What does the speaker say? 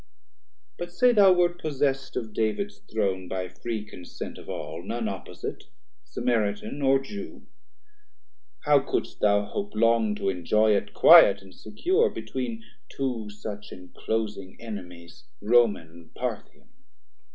But say thou wer't possess'd of David's Throne By free consent of all, none opposite, Samaritan or Jew; how could'st thou hope Long to enjoy it quiet and secure, 360 Between two such enclosing enemies Roman and Parthian?